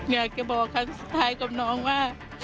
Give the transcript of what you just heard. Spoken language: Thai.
อยากจะบอกครั้งสุดท้ายกับน้องว่า